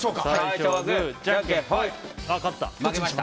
あ、勝った。